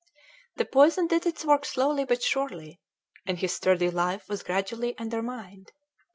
The poison did its work slowly but surely, and his sturdy life was gradually undermined.